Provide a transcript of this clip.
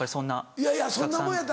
いやいやそんなもんやって。